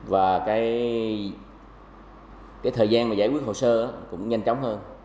và thời gian giải quyết hồ sơ cũng nhanh chóng hơn